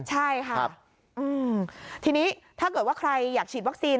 ใช่ค่ะทีนี้ถ้าเกิดว่าใครอยากฉีดวัคซีน